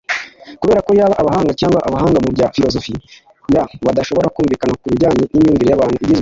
kubera ko yaba abahanga cyangwa abahanga mu bya filozofiya badashobora kumvikana ku bijyanye n'imyumvire y'abantu igizwe